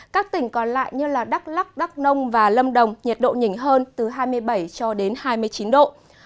các tỉnh còn lại như đắk lắc đắk nông và lâm đồng nhiệt độ nhỉnh hơn từ hai mươi bảy cho đến hai mươi chín độ